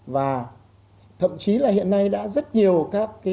và thậm chí là hiện nay đã rất nhiều các cái